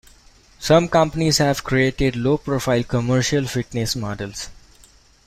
Some companies have created low profile commercial fitness models.